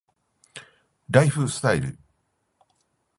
ライフスタイル